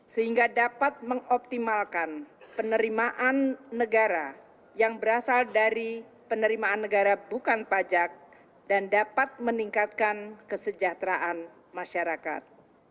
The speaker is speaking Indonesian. sehingga dapat mengoptimalkan penerimaan negara yang berasal dari penerimaan negara bukan pajak dan dapat meningkatkan kesejahteraan masyarakat